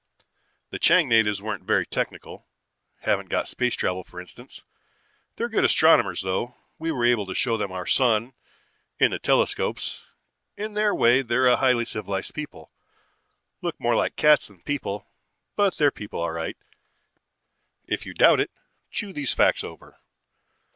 "The Chang natives aren't very technical haven't got space travel for instance. They're good astronomers, though. We were able to show them our sun, in their telescopes. In their way, they're a highly civilized people. Look more like cats than people, but they're people all right. If you doubt it, chew these facts over.